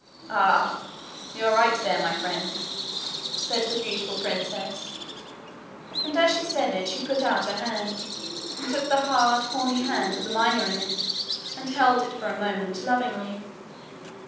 'Ah! you are right there, my friend,' said the beautiful princess. And as she said it she put out her hand, and took the hard, horny hand of the miner in it, and held it for a moment lovingly.